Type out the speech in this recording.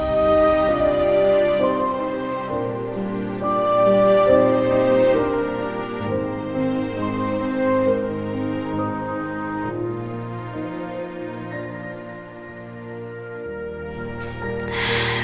di tengah kesakitan seperti ini